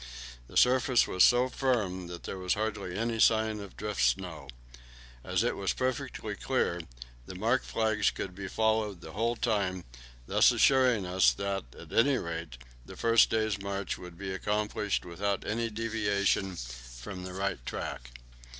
The surface was so firm that there was hardly a sign of drift snow. As it was perfectly clear, the mark flags could be followed the whole time, thus assuring us that, at any rate, the first day's march would be accomplished without any deviation from the right track.